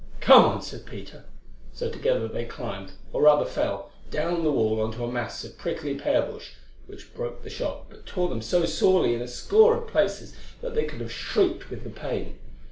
"Come on," said Peter. So together they climbed, or rather fell, down the wall on to a mass of prickly pear bush, which broke the shock but tore them so sorely in a score of places that they could have shrieked with the pain.